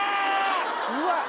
うわっ。